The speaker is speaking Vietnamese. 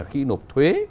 khi nộp thuế